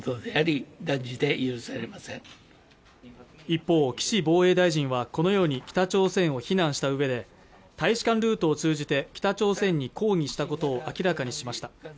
一方岸防衛大臣はこのように北朝鮮を非難したうえで大使館ルートを通じて北朝鮮に抗議したことを明らかにしました